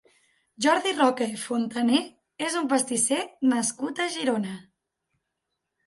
Jordi Roca i Fontané és un pastisser nascut a Girona.